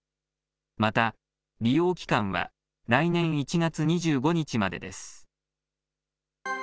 また、利用期間は来年１月２５日までです。